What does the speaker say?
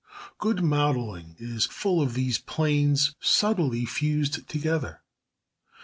Good modelling is full of these planes subtly fused together.